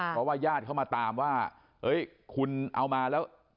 เพราะว่าญาติเขามาตามว่าเฮ้ยคุณเอามาแล้ว